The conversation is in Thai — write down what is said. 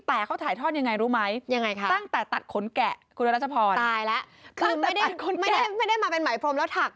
แต่เขาถ่ายทอดยังไงรู้ไหม